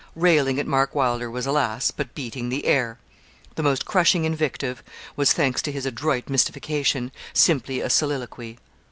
Railing at Mark Wylder was, alas! but beating the air. The most crushing invective was thanks to his adroit mystification simply a soliloquy.